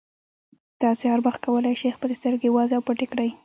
تاسې هر وخت کولای شئ خپلې سترګې وازې او پټې کړئ.